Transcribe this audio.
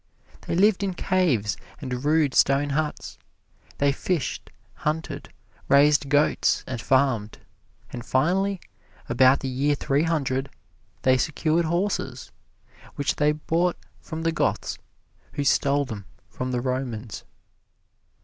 They lived in caves and rude stone huts. They fished, hunted, raised goats and farmed, and finally, about the year Three Hundred, they secured horses, which they bought from the Goths, who stole them from the Romans.